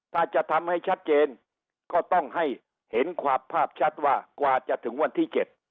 ถ้าจะทำให้ชัดเจนก็ต้องให้เห็นความภาพชัดว่ากว่าจะถึงวันที่๗